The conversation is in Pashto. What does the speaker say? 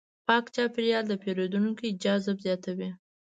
پاک چاپېریال د پیرودونکو جذب زیاتوي.